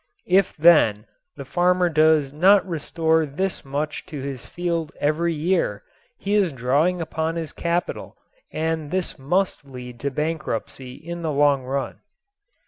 If then the farmer does not restore this much to his field every year he is drawing upon his capital and this must lead to bankruptcy in the long run.